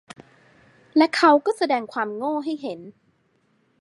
และเขาก็แสดงความโง่ให้เห็น